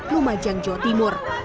lumajang jawa timur